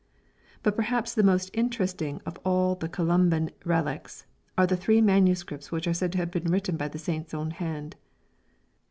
But perhaps the most interesting of all the Columban relics are the three manuscripts which are said to have been written by the Saint's own hand.